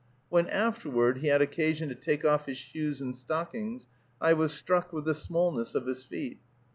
When, afterward, he had occasion to take off his shoes and stockings, I was struck with the smallness of his feet.